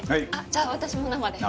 じゃあ私も生で。